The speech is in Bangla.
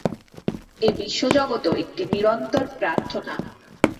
এ বিশ্বজগৎও একটি নিরন্তর প্রার্থনা।